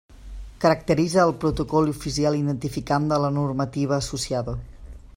Caracteritza el protocol oficial identificant-ne la normativa associada.